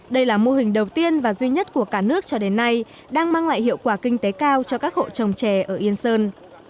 đây là mô hình đầu tiên và duy nhất của cả nước cho đến nay đang mang lại hiệu quả kinh tế cao cho các hộ trồng trè ở yên sơn